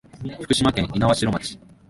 福島県猪苗代町